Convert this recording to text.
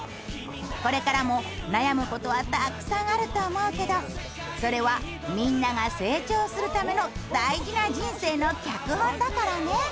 これからも悩む事はたくさんあると思うけどそれはみんなが成長するための大事な人生の脚本だからね。